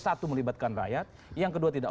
satu melibatkan rakyat yang kedua tidak